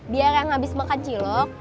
biar yang habis makan cilok